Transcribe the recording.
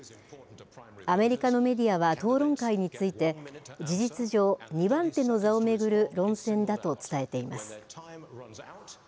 アメリカのメディアは討論会について事実上、２番手の座を巡る論戦だと伝えています。